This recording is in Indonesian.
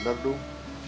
aunya bener dong